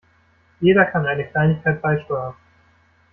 Jeder kann eine Kleinigkeit beisteuern.